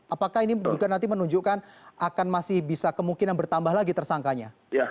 apakah ini juga nanti menunjukkan akan masih bisa kemungkinan bertambah lagi tersangkanya